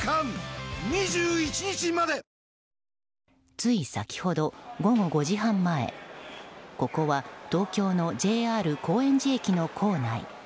つい先ほど、午後５時半前ここは東京のＪＲ高円寺駅の構内。